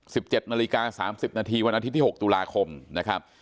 สิบเจ็ดนาฬิกาสามสิบนาทีวันอาทิตย์ที่หกตุลาคมนะครับ